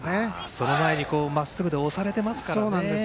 その前にまっすぐで押されていますからね。